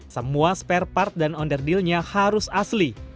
semua spare part dan underdillnya harus asli